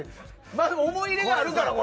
でも、思い入れがあるから。